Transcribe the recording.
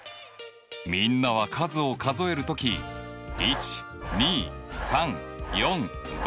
みんなは数を数える時１２３４５